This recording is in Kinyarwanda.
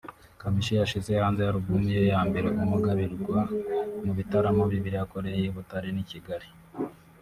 Kamichi yashyize hanze album ye ya mbere ‘Umugabirwa’ mu bitaramo bibiri yakoreye i Butare n’i Kigali